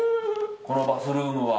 このバスルームは。